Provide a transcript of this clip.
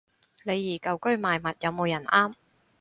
李怡舊居賣物，有冇人啱